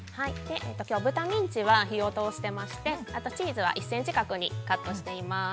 きょう、豚ミンチは火を通していましてあと、チーズは１センチ角にカットしています。